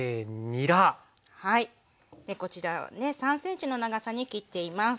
こちらね３ｃｍの長さに切っています。